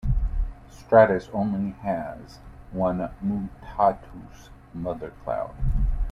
Stratus only has one mutatus mother cloud.